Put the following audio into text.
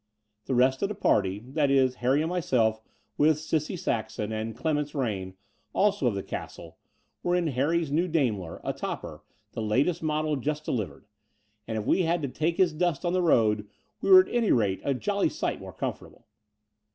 The rest of the party — ^that is, Harry and myself with Cissie Saxon and Clemence Rayne, also of the "Castle" — ^were in Harry's new Daimler, a topper, the latest model just delivered; and, if we had to take his dust on the road, we were at any rate a jolly sight more comfortable.